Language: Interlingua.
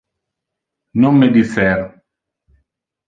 Non me dicer!